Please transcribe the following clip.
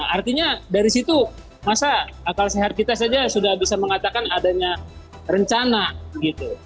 artinya dari situ masa akal sehat kita saja sudah bisa mengatakan adanya rencana gitu